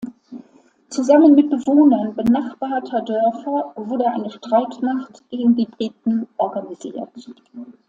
Zusammen mit Bewohnern benachbarter Dörfer wurde eine Streitmacht gegen die Briten organisiert.